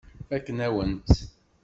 Fakkent-awen-tt.